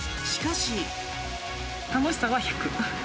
楽しさは１００。